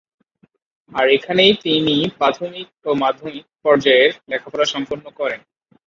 আর এখানেই তিনি প্রাথমিক ও মাধ্যমিক পর্যায়ের লেখাপড়া সম্পন্ন করেন।